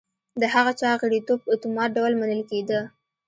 د هغه چا غړیتوب په اتومات ډول منل کېده.